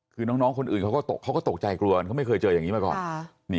คือน้องคนอื่นเขาก็ตกใจกลัวเขาไม่เคยเจออย่างนี้มาก่อน